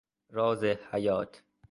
راز حیات